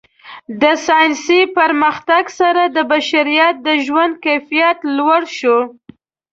د ساینسي پرمختګ سره د بشریت د ژوند کیفیت لوړ شوی.